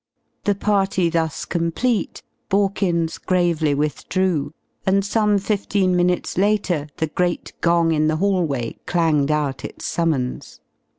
The party thus complete, Borkins gravely withdrew, and some fifteen minutes later the great gong in the hallway clanged out its summons.